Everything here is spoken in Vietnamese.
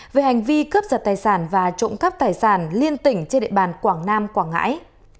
về hành vi cướp giật tài sản và trộm cắp tài sản liên tỉnh trên địa bàn quảng nam quảng ngãi